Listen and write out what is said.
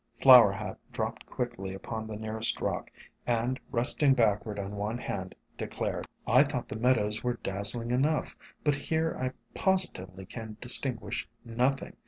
Flower Hat dropped quickly upon the near est rock, and resting backward on one hand, declared: "I thought the meadows were dazzling enough, but here I posi tively can distinguish nothing.